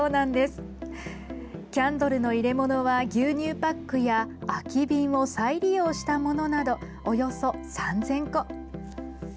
キャンドルの入れ物は牛乳パックや空き瓶を再利用したものなどおよそ３０００個。